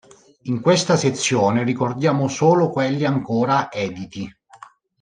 In questa sezione ricordiamo solo quelli ancora editi.